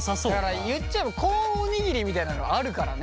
言っちゃえばコーンおにぎりみたいなのあるからね。